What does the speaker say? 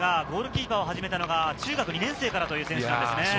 ゴールキーパーを始めたのが中学２年生からという選手なんですね。